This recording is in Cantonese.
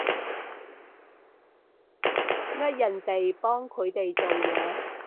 呃人哋幫佢哋做嘢